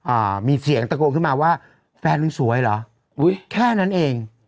อ่ามีเสียงตะโกนขึ้นมาว่าแฟนมึงสวยเหรออุ้ยแค่นั้นเอง